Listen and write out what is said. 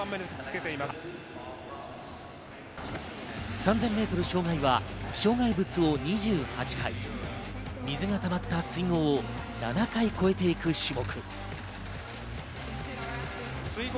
３０００ｍ障害は障害物を２８回、水がたまった水ごうを７回越えていく種目。